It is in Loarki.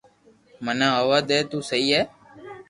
مني ھووا دئي تو سھي ھي